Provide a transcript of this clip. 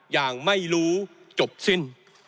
อย่างไม่รู้จบสิ้น